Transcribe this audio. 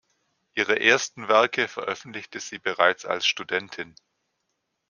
Ihre ersten Werke veröffentlichte sie bereits als Studentin.